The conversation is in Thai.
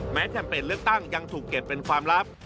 แคมเปญเลือกตั้งยังถูกเก็บเป็นความลับ